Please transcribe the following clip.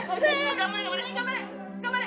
・頑張れ頑張れ！